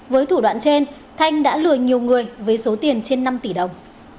với thủ đoạn trên thanh đã lừa nhiều người với số tiền trên năm tỷ đồng